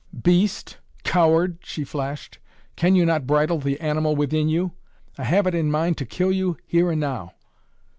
"Beast! Coward!" she flashed, "Can you not bridle the animal within you? I have it in mind to kill you here and now."